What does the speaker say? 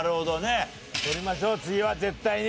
取りましょう次は絶対に！